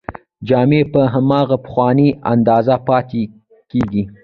جامې په هماغه پخوانۍ اندازه پاتې کیږي.